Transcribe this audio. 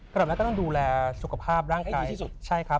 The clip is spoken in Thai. ก็ต้องดูแลสุขภาพร่างกาย